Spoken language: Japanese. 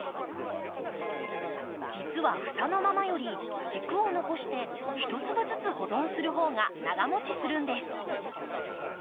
実は房のままより軸を残して一粒ずつ保存するほうが長もちするんです。